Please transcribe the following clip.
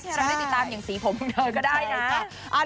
ใช่จะได้ติดตามอย่างสีผมก็ได้นะ